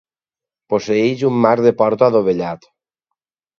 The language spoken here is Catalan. Posseeix marc de porta adovellat.